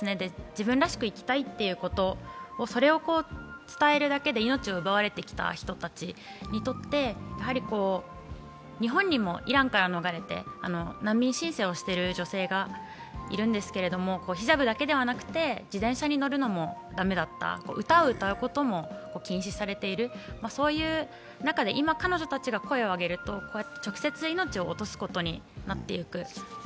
自分らしく生きたいということ、それを伝えるだけで命を奪われてきた人たちにとって日本にもイランから逃れて難民申請している女性がいるんですがヒジャブだけではなくて、自転車に乗るのも駄目だった、歌を歌うことも禁止されている、そういう中で、今、彼女たちが声を上げると直接命を落とすことになっていく。